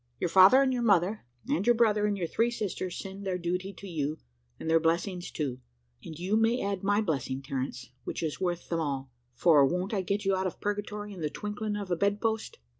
Your father and your mother, and your brother, and your three sisters, send their duty to you, and their blessings too and you may add my blessing, Terence, which is worth them all; for won't I get you out of purgatory in the twinkling of a bed post?